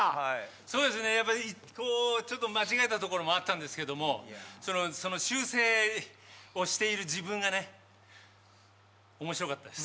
そうですねやっぱちょっと間違えたところもあったんですけどもその修正をしている自分がね面白かったです。